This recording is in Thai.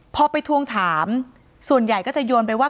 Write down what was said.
พอไปทวงถามส่วนใหญ่ก็จะโยนไปว่า